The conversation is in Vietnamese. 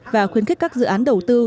và khuyến khích các dự án đầu tư